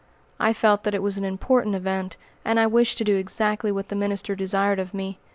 I felt that it was an important event, and I wished to do exactly what the minister desired of me.